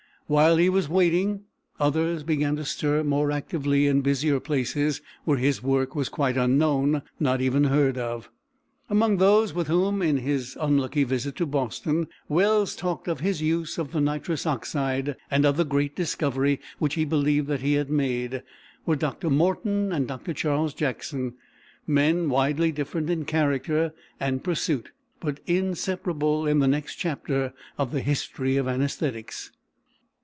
While he was waiting, others began to stir more actively in busier places, where his work was quite unknown, not even heard of. Among those with whom, in his unlucky visit to Boston, Wells talked of his use of the nitrous oxide, and of the great discovery which he believed that he had made, were Dr. Morton and Dr. Charles Jackson, men widely different in character and pursuit, but inseparable in the next chapter of the history of anæsthetics.